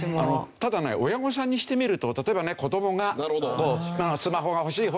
ただね親御さんにしてみると例えばね子どもがスマホが欲しい欲しいって言った時に。